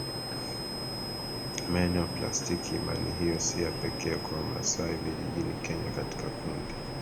meno ya plastiki Imani hiyo si ya pekee kwa Wamasai Vijijini Kenya katika kundi